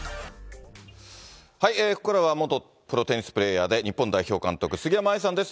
ここからは元プロテニスプレーヤーで日本代表監督、杉山愛さんです。